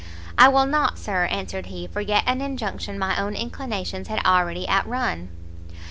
"I will not, Sir," answered he, "forget an injunction my own inclinations had already out run."